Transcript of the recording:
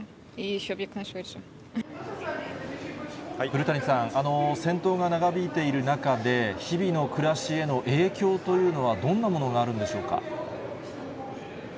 古谷さん、戦闘が長引いている中で、日々の暮らしへの影響というのは、どんなものがあるんでしょうか。